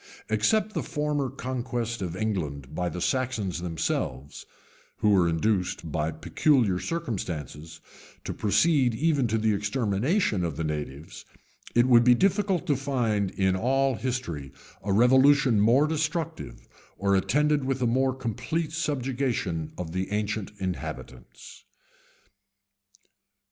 Except the former conquest of England by the Saxons themselves, who were induced, by peculiar circumstances, to proceed even to the extermination of the natives, it would be difficult to find in all history a revolution more destructive, or attended with a more complete subjection of the ancient inhabitants.